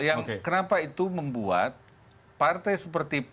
yang kenapa itu membuat partai seperti